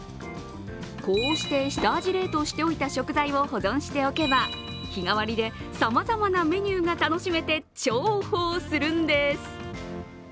こうして下味冷凍しておいた食材を保存しておけば、日替わりでさまざまなメニューが楽しめて重宝するんです。